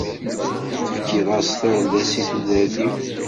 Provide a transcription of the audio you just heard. Tefkiḍ-as tardast i tudert-iw.